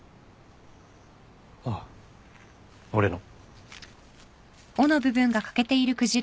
ああ俺の。